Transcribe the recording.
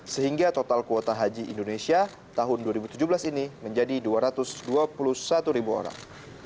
sehingga total kuota haji indonesia tahun dua ribu tujuh belas ini menjadi dua ratus dua puluh satu ribu orang